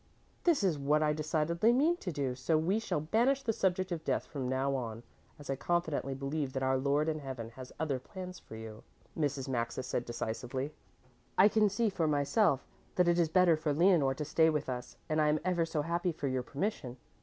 "This is what I decidedly mean to do, so we shall banish the subject of death from now on, as I confidently believe that our Lord in Heaven has other plans for you," Mrs. Maxa said decisively. "I can see for myself that it is better for Leonore to stay with us, and I am ever so happy for your permission.